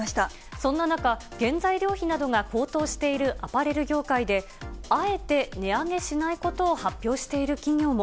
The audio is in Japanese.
そんな中、原材料価格などか高騰しているアパレル業界で、あえて値上げしないことを発表している企業も。